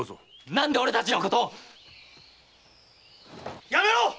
何で俺たちのことを⁉やめろっ！